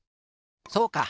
そうか！